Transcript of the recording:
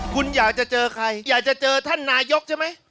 คุณอยากจะเจอใครอยากจะเจอท่านนายกใช่ไหม